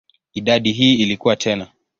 Idadi hii ilikua tena.